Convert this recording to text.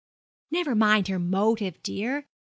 'Never mind her motive, dear.